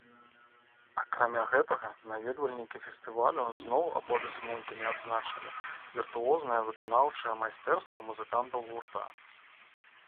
Акрамя гэтага, наведвальнікі фестывалю зноў апладысментамі адзначылі віртуознае выканаўчае майстэрства музыкантаў гурта.